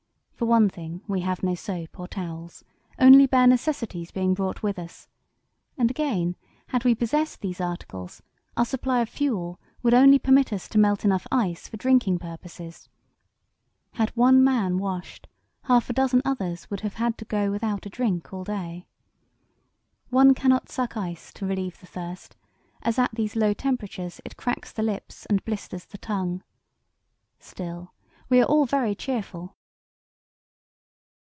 For one thing we have no soap or towels, only bare necessities being brought with us; and, again, had we possessed these articles, our supply of fuel would only permit us to melt enough ice for drinking purposes. Had one man washed, half a dozen others would have had to go without a drink all day. One cannot suck ice to relieve the thirst, as at these low temperatures it cracks the lips and blisters the tongue. Still, we are all very cheerful."